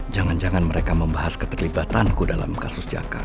jangan jangan mereka membahas keterlibatanku dalam kasus jakarta